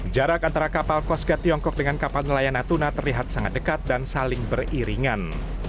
jarak antara kapal coast guard tiongkok dengan kapal nelayan natuna terlihat sangat dekat dan saling beriringan